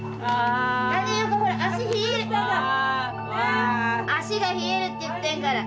足が冷えるって言ってるから。